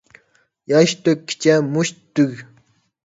ياش تۆككىچە مۇشت تۈگ.